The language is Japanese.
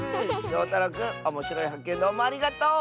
しょうたろうくんおもしろいはっけんどうもありがとう！